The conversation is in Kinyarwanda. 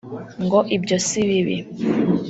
ngo ibyo si bibi